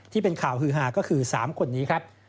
ที่เป็นข่าวฮือฮาก็คือ๓คนนี้ครับ